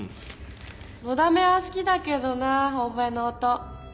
のだめは好きだけどなオーボエの音。